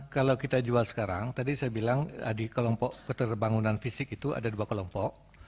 kalau kita jual sekarang tadi saya bilang di kelompok keterbangunan fisik itu ada dua kelompok